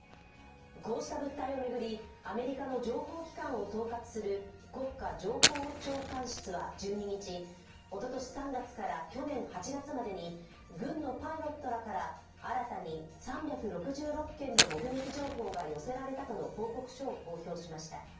こうした物体を巡りアメリカの情報機関を統轄する国家情報長官室は１２日おととし３月から去年８月までに軍のパイロットらから新たに３６６件の目撃情報が寄せられたとの報告書を公表しました。